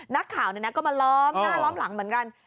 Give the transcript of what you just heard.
นักข่าวก็มาล้อมหน้าล้อมหลังเหมือนกัน